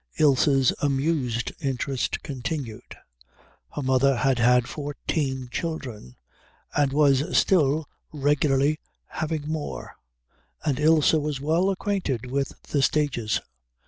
Ilse's amused interest continued. Her mother had had fourteen children and was still regularly having more, and Ilse was well acquainted with the stages.